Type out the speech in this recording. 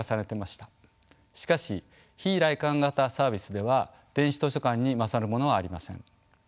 しかし非来館型サービスでは電子図書館に勝るものはありません。